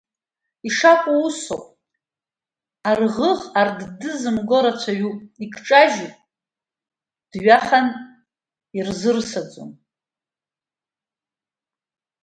Ишакәу усоуп арӷыӷ ардды зымго рацәаҩуп, икҿажьуп дҩахан ирзырсаӡом!